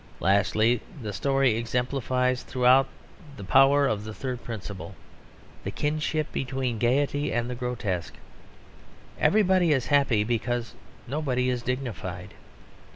Lastly, the story exemplifies throughout the power of the third principle the kinship between gaiety and the grotesque. Everybody is happy because nobody is dignified.